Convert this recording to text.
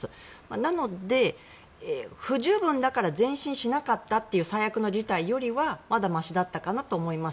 なので、不十分だから前進しなかったという最悪の事態よりはまだましだったかなと思います。